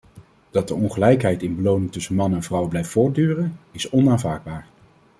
Dat de ongelijkheid in beloning tussen mannen en vrouwen blijft voortduren, is onaanvaardbaar.